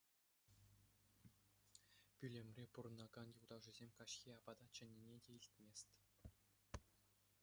Пӳлӗмре пурӑнакан юлташӗсем каҫхи апата чӗннине те илтмест.